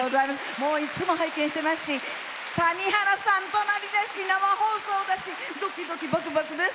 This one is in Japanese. もういつも拝見してますし谷原さん隣だし生放送だしどきどきばくばくです。